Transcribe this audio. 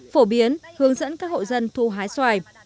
phổ biến hướng dẫn các hộ dân thu hái xoài